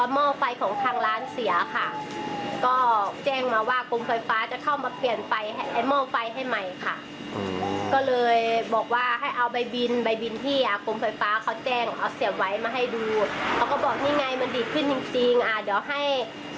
มันดีขึ้นจริงเดี๋ยวให้ทางเราเสียส่วนนี้ไปก่อนนะครับ